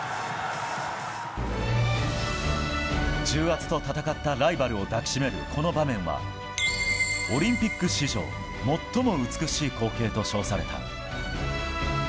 重圧と戦ったライバルを抱きしめる、この場面はオリンピック史上最も美しい光景と称された。